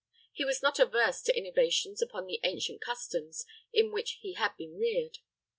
He was not averse to innovations upon the ancient customs in which he had been reared.